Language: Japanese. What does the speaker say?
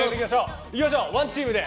行きましょう、ワンチームで。